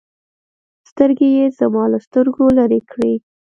سترگې يې زما له سترگو لرې کړې.